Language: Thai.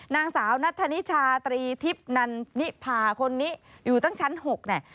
นางสาวนัทธนิชาตรีทิพย์นันนิพาคนนี้อยู่ตั้งชั้น๖เนี่ย